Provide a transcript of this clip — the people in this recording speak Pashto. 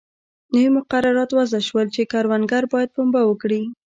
نوي مقررات وضع شول چې کروندګر باید پنبه وکري.